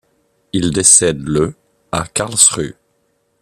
Il décède le à Karlsruhe.